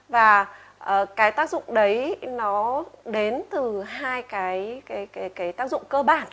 và cái tác dụng đấy nó đến từ hai cái tác dụng cơ bản